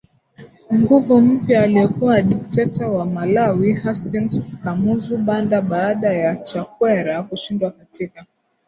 nguvu mpyaAliyekuwa dikteta wa MalawiHastings Kamuzu Banda Baada ya Chakwera kushindwa katika